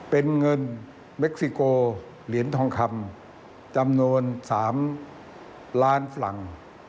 เป็นเงินเม็กซิโกเหรียญทองคำจำนวน๓ล้านฝรั่ง